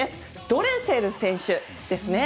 ドレセル選手ですね。